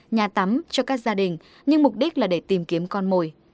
nhà tắm cho các gia đình nhưng mục đích là để tìm kiếm con mồi